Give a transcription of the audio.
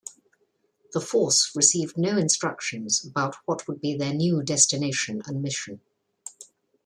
The 'Force' received no instructions about what would be their new destination and mission.